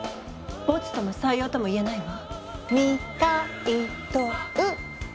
ボツとも採用とも言えないわ。